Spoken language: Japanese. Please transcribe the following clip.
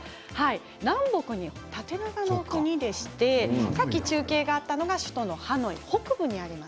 南北に縦長の国でして中継があった場所は首都ハノイ北部にあります。